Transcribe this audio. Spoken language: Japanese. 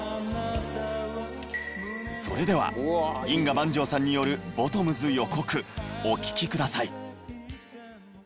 それでは銀河万丈さんによる『ボトムズ』予告お聴きください。